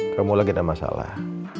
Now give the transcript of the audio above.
kamu lagi ada masalah